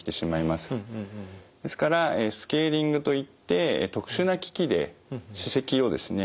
ですからスケーリングといって特殊な機器で歯石をですね